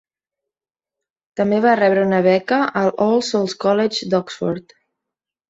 També va rebre una beca al All Souls College d'Oxford.